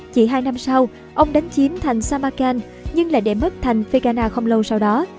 chỉ hai năm sau ông đánh chiếm thành samarkand nhưng lại để mất thành phegana không lâu sau đó